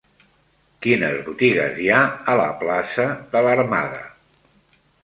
Quines botigues hi ha a la plaça de l'Armada?